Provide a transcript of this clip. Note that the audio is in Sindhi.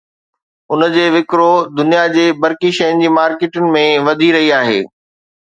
ان جي وڪرو دنيا جي برقي شين جي مارڪيٽن ۾ وڌي رهي آهي